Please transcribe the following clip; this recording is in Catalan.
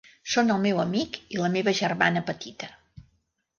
Són el meu amic i la meva germana petita.